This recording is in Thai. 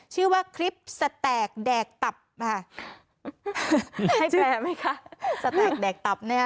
ชื่อว่าคลิปสแตกแดกตับค่ะให้แชร์ไหมคะสแตกแดกตับเนี่ย